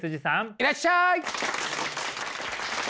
いらっしゃい！